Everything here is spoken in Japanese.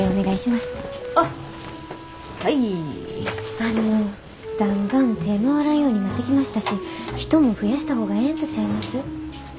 あのだんだん手ぇ回らんようになってきましたし人も増やした方がええんとちゃいます？